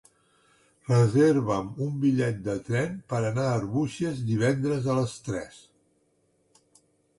Reserva'm un bitllet de tren per anar a Arbúcies divendres a les tres.